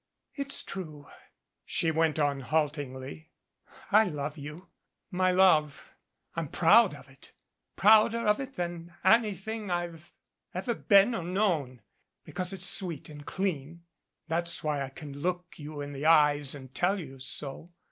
"It's true," she went on haltingly. "I love you. My love I'm proud of it prouder of it than of anything I've ever been or known because it's sweet and clean. That's why I can look you in the eyes and tell you so.